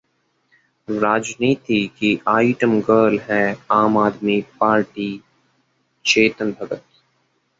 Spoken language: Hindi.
राजनीति की आइटम गर्ल है आम आदमी पार्टीः चेतन भगत